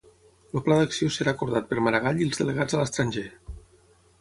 El pla d'acció serà acordat per Maragall i els delegats a l'estranger